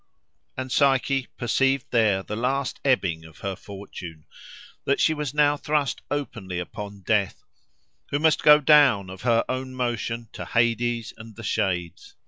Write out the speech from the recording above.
And Psyche perceived there the last ebbing of her fortune—that she was now thrust openly upon death, who must go down, of her own motion, to Hades and the Shades.